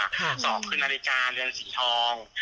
สองคือนาฬิกาเรือนสีทอง